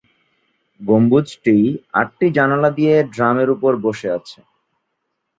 গম্বুজটি আটটি জানালা দিয়ে ড্রামের উপর বসে আছে।